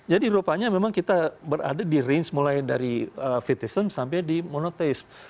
jadi rupanya memang kita berada di range mulai dari fetishism sampai di monotheism